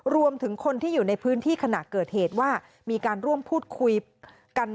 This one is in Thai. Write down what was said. รวมถึงคนที่อยู่ในพื้นที่ขณะเกิดเหตุว่ามีการร่วมพูดคุยกัน